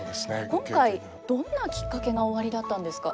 今回どんなきっかけがおありだったんですか？